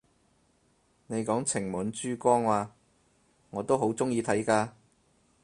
你講情滿珠江咓，我都好鍾意睇㗎！